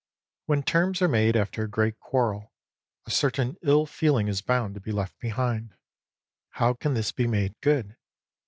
When terms are made after a great quarrel, a certain ill feeling is bound to be left behind. How 28 can this be made good